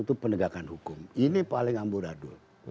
itu penegakan hukum ini paling amburadul